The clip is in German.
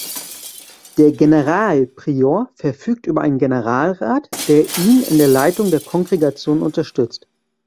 Der Generalprior verfügt über einen Generalrat, der ihn in der Leitung der Kongregation unterstützt.